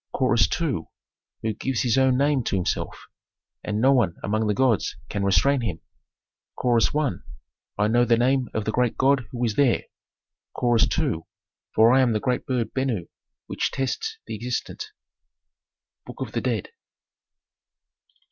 Chorus II. "Who gives his own name to himself, and no one among the gods can restrain him." Chorus I. "I know the name of the great god who is there." Chorus II. "For I am the great bird Benu which tests the existent." "Book of the Dead."